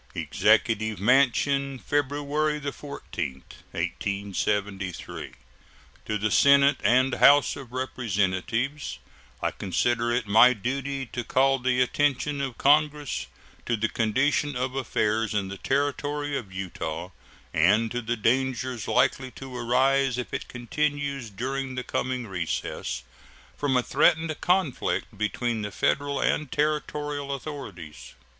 ] EXECUTIVE MANSION, February 14, 1873. To the Senate and House of Representatives: I consider it my duty to call the attention of Congress to the condition of affairs in the Territory of Utah, and to the dangers likely to arise if it continues during the coming recess, from a threatened conflict between the Federal and Territorial authorities.